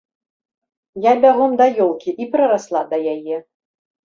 Я бягом да ёлкі і прырасла да яе.